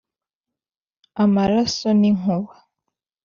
amaraso n'inkuba